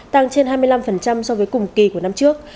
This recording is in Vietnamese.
tăng trên hai mươi năm so với cùng kỳ của năm trước